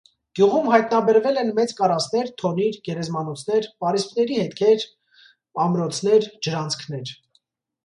Գյուղում հայտնաբերվել են մեծ կարասներ, թոնիր, գերեզմանոցներ, պասրիսպների հետքեր, ամրոցներ, ջրանցքներ։